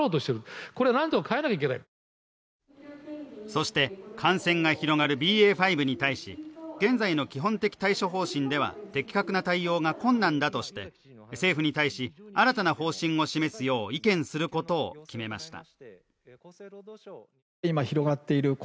そして、感染が広がるＢＡ．５に対し現在の基本的対処方針では的確な対応が困難だとして政府に対し新たな方針を示すよう意見することを決めました。